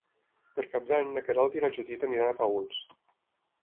Per Cap d'Any na Queralt i na Judit aniran a Paüls.